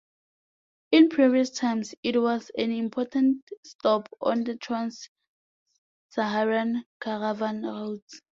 In previous times it was an important stop on the trans-Saharan caravan routes.